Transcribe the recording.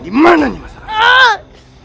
dimananya mas rara santang